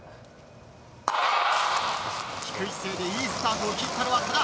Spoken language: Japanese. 低い姿勢でいいスタートを切ったのは多田。